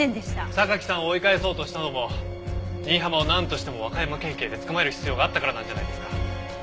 榊さんを追い返そうとしたのも新浜をなんとしても和歌山県警で捕まえる必要があったからなんじゃないですか？